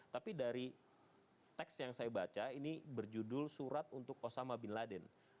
tapi dari teks yang saya baca ini berjudul surat untuk osama bin laden